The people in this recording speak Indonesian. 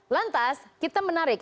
lantas kita menarik